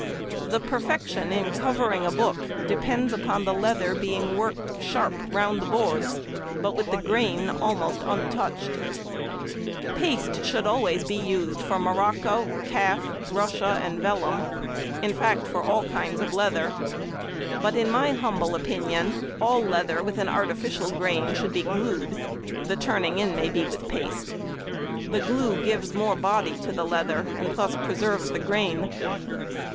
The perfection in covering a book depends upon the leather being worked sharp round the boards, but with the grain almost untouched. [Illustration: Band Nippers.] Paste should be always used for morocco, calf, russia and vellum, in fact for all kinds of leather; but in my humble opinion, all leather with an artificial grain should be glued; the turning in may be with paste. The glue gives more |94| body to the leather, and thus preserves the grain.